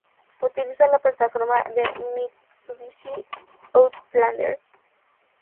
Utiliza la plataforma del Mitsubishi Outlander.